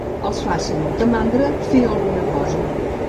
Els faci molta mandra fer alguna cosa.